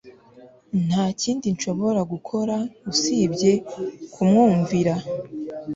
Nta kindi nshobora gukora usibye kumwumvira